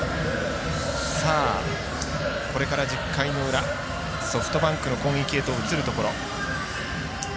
これから１０回の裏ソフトバンクの攻撃へと移るところ。